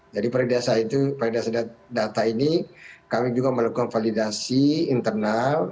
jadi validasi data ini kami juga melakukan validasi internal